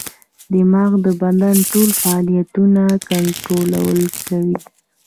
دماغ د بدن ټول فعالیتونه کنټرول کوي.